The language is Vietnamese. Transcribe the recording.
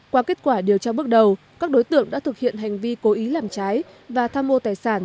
qua kết quả điều tra bước đầu các đối tượng đã thực hiện hành vi cố ý làm trái và tham mô tài sản